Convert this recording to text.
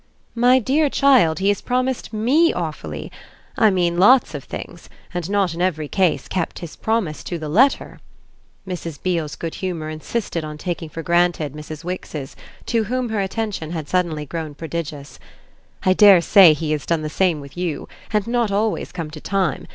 "My dear child, he has promised ME awfully; I mean lots of things, and not in every case kept his promise to the letter." Mrs. Beale's good humour insisted on taking for granted Mrs. Wix's, to whom her attention had suddenly grown prodigious. "I dare say he has done the same with you, and not always come to time.